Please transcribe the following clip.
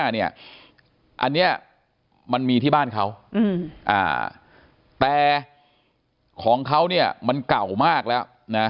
๑๕๑๕๑๕เนี่ยอันเนี่ยมันมีที่บ้านเขาแต่ของเขาเนี่ยมันเก่ามากแล้ว